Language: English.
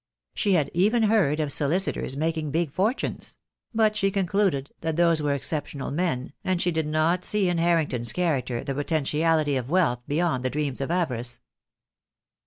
She had even heard of solicitors making big fortunes; but she concluded that those were excep tional men, and she did not see in Harrington's character the potentiality of wealth beyond the dreams of avarice.